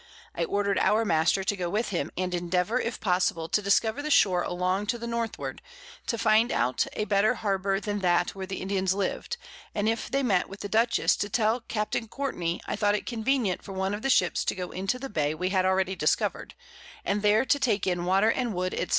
I order'd our Master to go with him, and endeavour, if possible, to discover the Shore along to the Northward, to find out a better Harbour than that where the Indians lived, and if they met with the Dutchess, to tell Capt. Courtney, I thought it convenient for one of the Ships to go into the Bay we had already discover'd, and there to take in Water and Wood, _&c.